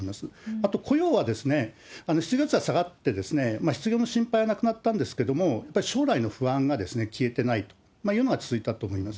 あと、雇用は７月は下がって、失業の心配はなくなったんですけれども、やっぱり将来の不安が消えてないというのは続いたと思います。